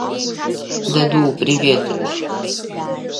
Даду, привет!